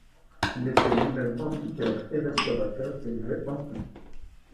Il était lui-même antiquaire et restaurateur d'objets antiques.